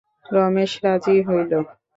রমেশ রাজি হইল।